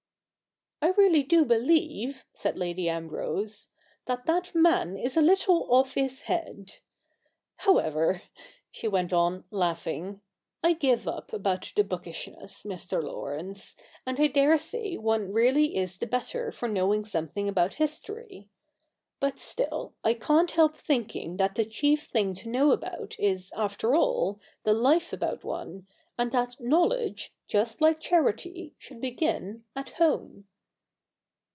' I really do believe/ said Lady Ambrose. • that that man is a little off his head. However," she went on laughing, ' I give up about the bookishness, Mr. Laurence, and I dare say one really is the better for knowing some thing about history ; but still. I can't help thinking that the chief thing to know about is, after all, the life about one. and that knowledge, just like charity, should begin at home."